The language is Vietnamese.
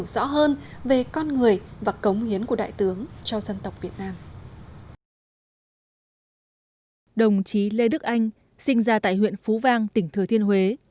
đồng chí lê đức anh sinh ra tại huyện phú vang tỉnh thừa thiên huế